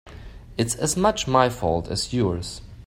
It's as much my fault as yours.